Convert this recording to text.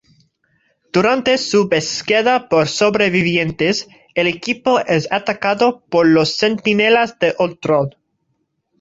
Durante su búsqueda por sobrevivientes, el equipo es atacado por los Centinelas de Ultron.